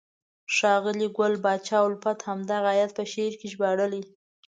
ښاغلي ګل پاچا الفت همدغه آیت په شعر کې ژباړلی: